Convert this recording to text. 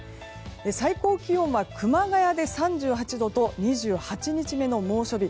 最高気温は熊谷で３８度と２８日目の猛暑日。